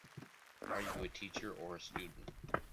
Are you a teacher or a student?